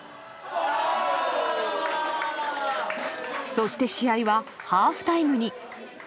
そして試合はハーフタイムに。